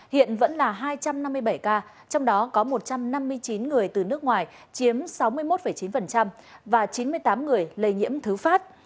hiện vẫn là hai trăm năm mươi bảy ca trong đó có một trăm năm mươi chín người từ nước ngoài chiếm sáu mươi một chín và chín mươi tám người lây nhiễm thứ phát